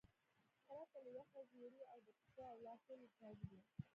پرته له یخه ژیړي او د پښو او لاسو له چاودو.